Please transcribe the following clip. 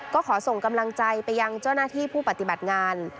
ก็ขอส่งกำลังใจไปยังเจ้าหน้าที่ผู้ปฏิบัติงาน